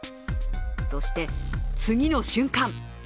そして、次の瞬間。